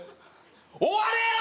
終われよ！